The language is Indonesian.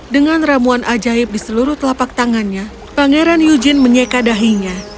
dengan ramuan ajaib di seluruh telapak tangannya pangeran yujin menyeka dahinya